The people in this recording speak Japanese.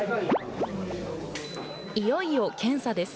いよいよ検査です。